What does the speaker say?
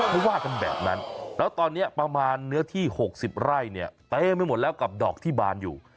เขาว่ากันแบบนั้นแล้วตอนนี้ประมาณเนื้อที่๖๐ไร่เนี่ยเต็มไปหมดแล้วกับดอกที่บานอยู่